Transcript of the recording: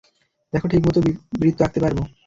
দেখো, ঠিকমতো বৃত্ত আঁকতে পারব।